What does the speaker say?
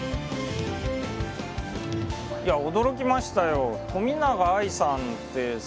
いや驚きましたよ。